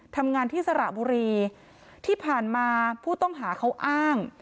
ทำงานที่สระบุรีที่ผ่านมาผู้ต้องหาเขาอ้าง